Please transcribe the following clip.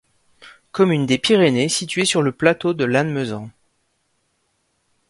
Commune des Pyrénées située sur le plateau de Lannemezan.